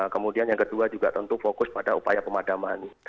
kemudian yang kedua juga tentu fokus pada upaya pemadaman